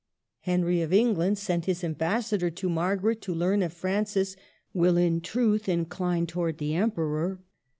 Henry of England sent his ambassador to Margaret to learn if Francis will in truth incline towards the Emperor.